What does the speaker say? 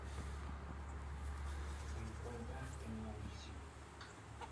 Se encuentra en Mauricio.